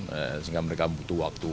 sehingga mereka butuh waktu